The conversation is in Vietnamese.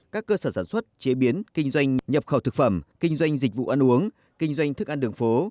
các cơ sở sản xuất chế biến kinh doanh nhập khẩu thực phẩm kinh doanh dịch vụ ăn uống kinh doanh thức ăn đường phố